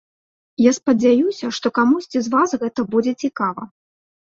Я спадзяюся, што камусьці з вас гэта будзе цікава.